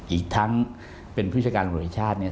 อีกทั้งเป็นผู้ชาติกรรมหัวเอกชาติ